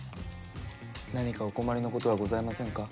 何かお困りのことはございませんか？